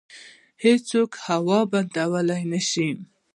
هیڅوک هوا بندولی نشي.